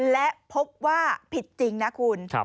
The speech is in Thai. และพบว่าผิดจริงนะคุณ